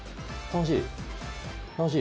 楽しい？